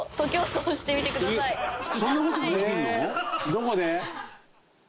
どこで？